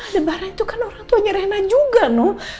adebaran itu kan orangtuanya rena juga noah